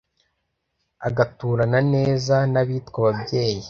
Agaturana nezaN’abitwa ababyeyi.